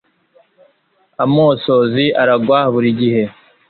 amosozi aragwa buri gihe